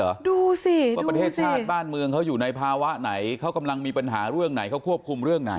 ดูสิว่าประเทศชาติบ้านเมืองเขาอยู่ในภาวะไหนเขากำลังมีปัญหาเรื่องไหนเขาควบคุมเรื่องไหน